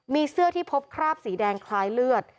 มีเสื้อที่พบคราบสีแดงคล้ายเลือด